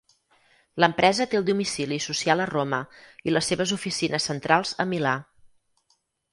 L'empresa té el domicili social a Roma i les seves oficines centrals a Milà.